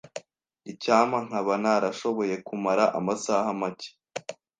Icyampa nkaba narashoboye kumara amasaha make.